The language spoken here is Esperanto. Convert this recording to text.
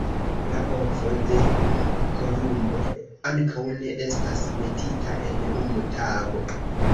La ovo de Kolumbo ankaŭ ne estas metita en unu tago!